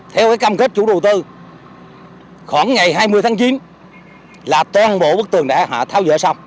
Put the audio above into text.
theo cam kết chủ đầu tư khoảng ngày hai mươi tháng chín là toàn bộ bức tường đã tháo rỡ xong